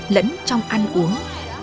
lẫn trong ăn uống